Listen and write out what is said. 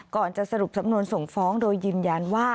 ก่อนจะสรุปสำนวนส่งฟ้องโดยยืนยันว่า